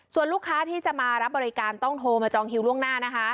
ส่วนลูกค้าที่จะมารับบริการต้องโทรมาจองคิวล่วงหน้านะคะ